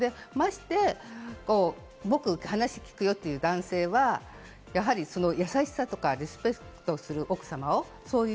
で、まして僕、話を聞くよっていう男性はその優しさとかリスペクトする、奥様を。